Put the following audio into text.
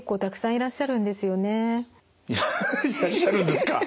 いらっしゃるんですか。